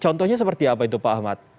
contohnya seperti apa itu pak ahmad